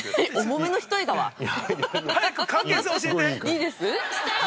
◆いいです！？